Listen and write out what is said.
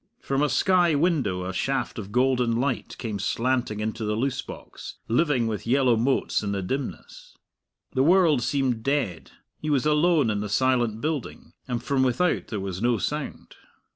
From a sky window a shaft of golden light came slanting into the loose box, living with yellow motes in the dimness. The world seemed dead; he was alone in the silent building, and from without there was no sound.